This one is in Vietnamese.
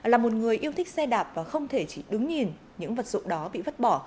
là một người yêu thích xe đạp và không thể chỉ đứng nhìn những vật dụng đó bị vất bỏ